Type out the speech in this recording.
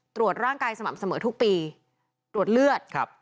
ตรวจร่างกายสม่ำเสมอทุกปีตรวจเลือดครับ